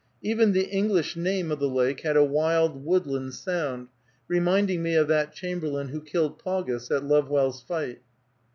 Even the English name of the lake had a wild, woodland sound, reminding me of that Chamberlain who killed Paugus at Lovewell's fight.